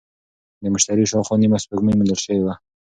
د مشتري شاوخوا نیمه سپوږمۍ موندل شوې ده.